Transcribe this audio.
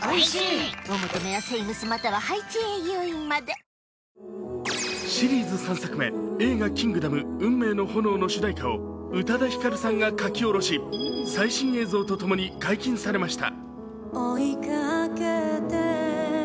丕劭蓮キャンペーン中シリーズ３作目映画「キングダム運命の炎」の主題歌を宇多田ヒカルさんが書き下ろし最新映像と共に解禁されました。